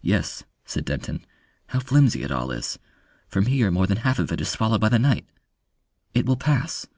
"Yes," said Denton. "How flimsy it all is! From here more than half of it is swallowed by the night.... It will pass."